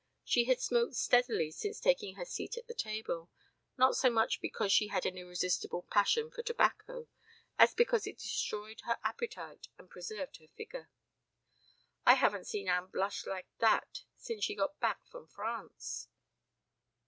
She had smoked steadily since taking her seat at the table, not so much because she had an irresistible passion for tobacco as because it destroyed her appetite and preserved her figure. "I haven't seen Anne blush like that since she got back from France."